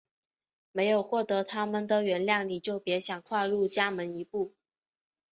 没有获得它们的原谅你就别想跨入家门一步！